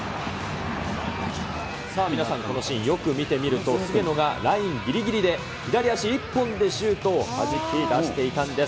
皆さん、このシーン、よく見てみると、菅野がラインぎりぎりで左足１本でシュートをはじき出していたんです。